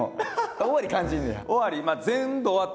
終わり感じんねや？